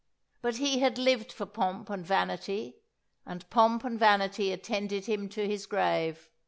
But he had lived for pomp and vanity; and pomp and vanity attended him to his grave.